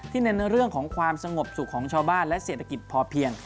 เน้นเรื่องของความสงบสุขของชาวบ้านและเศรษฐกิจพอเพียง